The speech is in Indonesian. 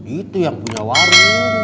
itu yang punya warung